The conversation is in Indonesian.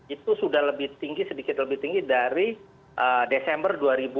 itu sudah lebih tinggi sedikit lebih tinggi dari desember dua ribu dua puluh